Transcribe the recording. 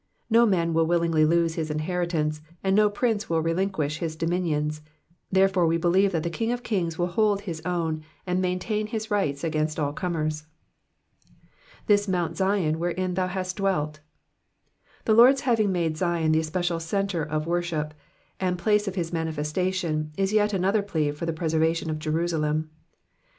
No man will willingly lose his inheritance, and no prince will relinquish his dominions ; therefore we believe that the King of kings will hold his own, and maintain his rights against all comers. ^'' This mount Zion^ wherein thou hast dwelt.''' The Lord's having made Zion the especial centre of his worship, and place of his manifestation, is yet another plea for the preservation of Jerusalem.